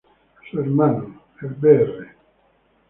Su hermano, el Br.